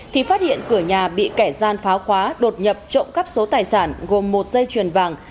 thì phát hiện cửa nhà bị kẻ gian phá khóa đột nhập trộm cắp số tài sản gồm một dây chuyền vàng